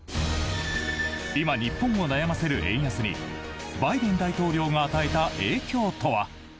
今、日本を悩ませる円安にバイデン大統領が与えた影響とは？